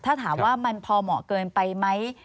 ถ้าถามว่ามันพอเหมาะเกินไปไหม